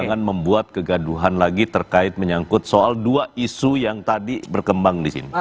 dan membuat kegaduhan lagi terkait menyangkut soal dua isu yang tadi berkembang disini